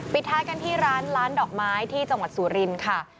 ท้ายกันที่ร้านร้านดอกไม้ที่จังหวัดสุรินค่ะ